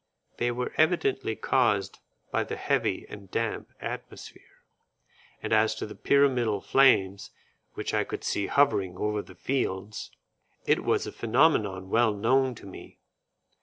They were evidently caused by the heavy and damp atmosphere, and as to the pyramidal flames which I could see hovering over the fields, it was a phenomenon well known to me.